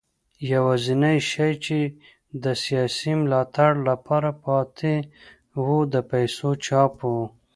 یوازینی شی چې د سیاسي ملاتړ لپاره پاتې و د پیسو چاپ و.